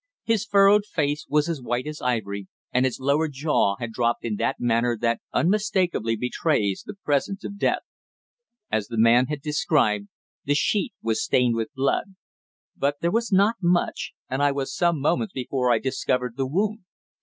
His furrowed face was as white as ivory, and his lower jaw had dropped in that manner that unmistakably betrays the presence of death. As the man had described, the sheet was stained with blood. But there was not much, and I was some moments before I discovered the wound.